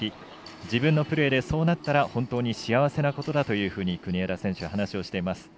自分のプレーでそうなったら本当に幸せなことだと国枝選手は話をしています。